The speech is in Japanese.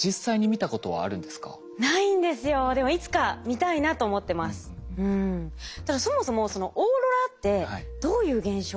ただそもそもオーロラってどういう現象なんですか？